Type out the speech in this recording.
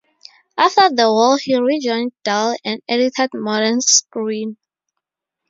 After the war he rejoined Dell and edited Modern Screen.